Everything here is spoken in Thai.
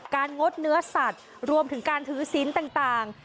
งดเนื้อสัตว์รวมถึงการถือศิลป์ต่าง